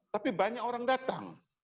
tapi banyak orang datang